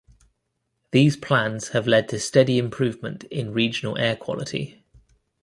These plans have led to steady improvement in regional air quality.